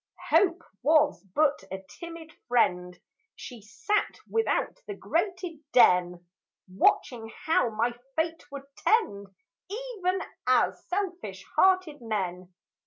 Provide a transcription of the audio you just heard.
Hope Was but a timid friend; She sat without the grated den, Watching how my fate would tend, Even as selfish hearted men.